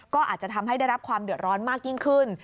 ก็อาจจะทำให้ได้รับความเดือดร้อนมากยิ่งขึ้น